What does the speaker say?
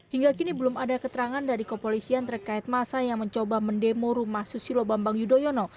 hingga kini belum ada keterangan dari kepolisian terkait masa yang mencoba mendemo rumah susilo bambang yudhoyono